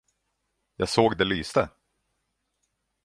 Jag såg det lyste!